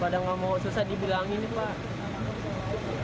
pada gak mau susah dibilangin pak